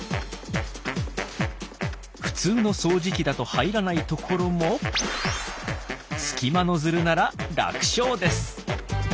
普通の掃除機だと入らない所も隙間ノズルなら楽勝です。